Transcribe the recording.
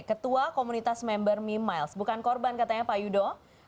ketua komunitas member mimiles bukan korban katanya pak yudo